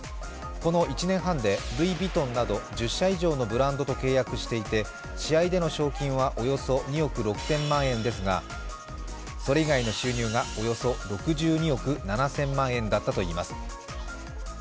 この１年半でルイ・ヴィトンなど１０社以上のブランドと契約していて試合での賞金はおよそ２億６０００万円ですが、それ以外の収入が、およそ６２億７０００万円だったといいます。